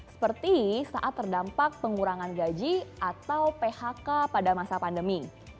seperti saat terdampak pengurangan gaji atau phk pada masa pandemi